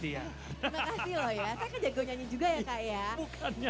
terima kasih loh ya saya ke jago nyanyi juga ya kak ya